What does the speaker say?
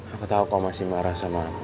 aku tau kau masih marah sama aku